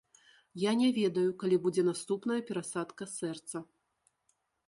Я не ведаю, калі будзе наступная перасадка сэрца.